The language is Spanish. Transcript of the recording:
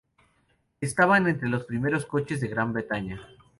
Estaban entre los primeros coches de Gran Bretaña.